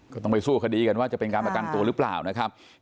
ก็ต้องไปสู้คดีกันว่าจะเป็นการประกันตัวหรือเปล่านะครับ